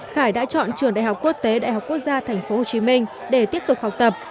khải đã chọn trường đại học quốc tế đại học quốc gia tp hcm để tiếp tục học tập